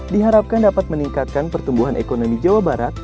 diharapkan dapat meningkatkan pertumbuhan ekonomi jawa barat